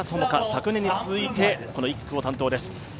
昨年に続いてこの１区を担当です。